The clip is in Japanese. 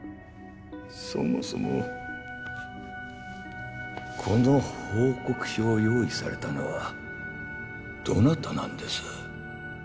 そもそもこの報告書を用意されたのはどなたなんです？